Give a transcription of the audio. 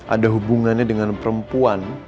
ada hubungannya dengan perempuan